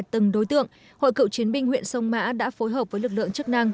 từng đối tượng hội cựu chiến binh huyện sông mã đã phối hợp với lực lượng chức năng